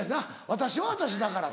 「私は私だから」。